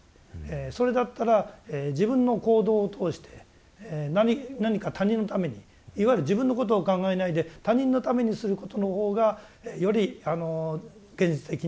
それだったら自分の行動を通して何か他人のためにいわゆる自分のことを考えないで他人のためにすることのほうがより現実的に自分のことを考えない。